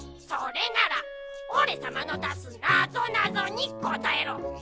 それならおれさまのだすなぞなぞにこたえろ。